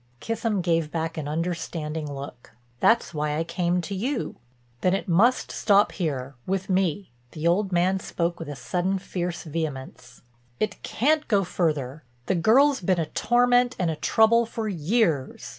Kissam gave back an understanding look: "That's why I came to you." "Then it must stop here—with me." The old man spoke with a sudden, fierce vehemence. "It can't go further. The girl's been a torment and a trouble for years.